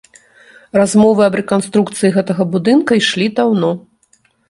Размовы аб рэканструкцыі гэтага будынка ішлі даўно.